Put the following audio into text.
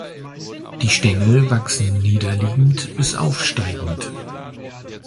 Die Stängel wachsen niederliegend bis aufsteigend.